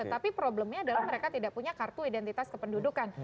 tetapi problemnya adalah mereka tidak punya kartu identitas kependudukan